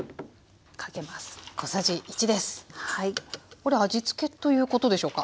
これ味付けということでしょうか？